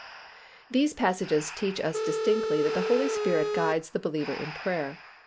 These passages teach us distinctly that the Holy Spirit guides the believer in prayer.